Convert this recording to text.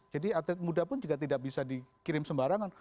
jadi atlet muda pun juga tidak bisa dikirim sembarangan